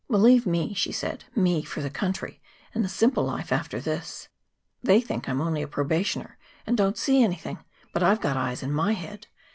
"Believe me," she said, "me for the country and the simple life after this. They think I'm only a probationer and don't see anything, but I've got eyes in my head.